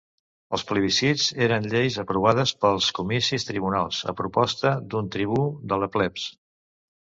Els plebiscits eren lleis aprovades pels comicis tribunats, a proposta d'un tribú de la plebs.